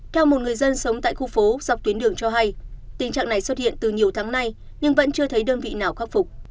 theo một người dân sống tại khu phố dọc tuyến đường cho hay tình trạng này xuất hiện từ nhiều tháng nay nhưng vẫn chưa thấy đơn vị nào khắc phục